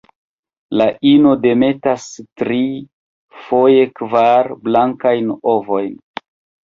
La ino demetas tri, foje kvar, blankajn ovojn.